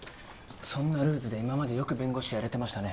そんなルーズで今までよく弁護士やれてましたね。